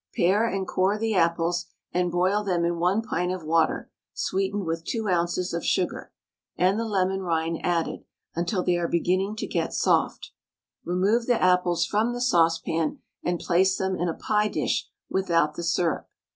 Pare and core the apples, and boil them in 1 pint of water, sweetened with 2 oz. of sugar, and the lemon rind added, until they are beginning to get soft. Remove the apples from the saucepan and place them in a pie dish without the syrup.